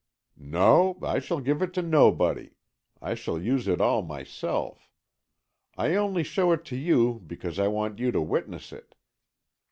"No, I shall give it to nobody. I shall use it all myself. I only show it to you, because I want you to witness it.